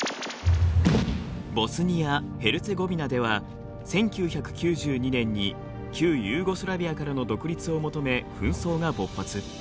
ボスニア・ヘルツェゴビナでは１９９２年に旧ユーゴスラビアからの独立を求め紛争が勃発。